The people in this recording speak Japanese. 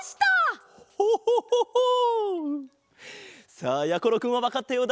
さあやころくんはわかったようだぞ。